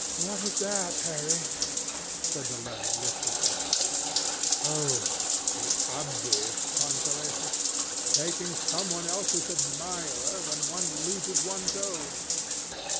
"What is that, Harry?" said the lad listlessly. "Oh, the obvious consolation. Taking some one else's admirer when one loses one's own.